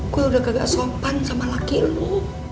gue udah kagak sopan sama laki lu